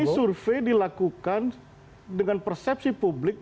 ini survei dilakukan dengan persepsi publik